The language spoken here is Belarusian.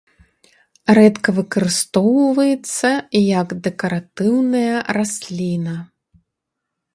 Рэдка выкарыстоўваецца як дэкаратыўная расліна.